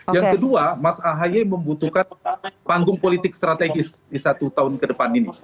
yang kedua mas ahaye membutuhkan panggung politik strategis di satu tahun ke depan ini